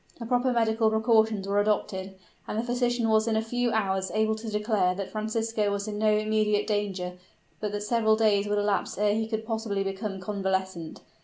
The proper medical precautions were adopted; and the physician was in a few hours able to declare that Francisco was in no imminent danger, but that several days would elapse ere he could possibly become convalescent.